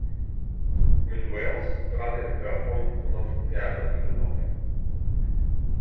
Mit Welles trat er im Hörfunk und auf Theaterbühnen auf.